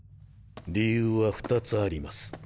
理由は２つあります。